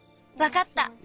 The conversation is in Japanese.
わかった。